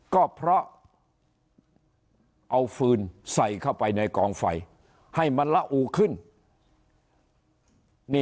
ก็เพราะเอาฟืนใส่เข้าไปในกองไฟให้มันละอูขึ้น